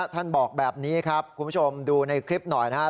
ท่านบอกแบบนี้ครับคุณผู้ชมดูในคลิปหน่อยนะครับ